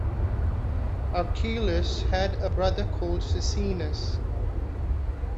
Archelaus had a brother called Sisines.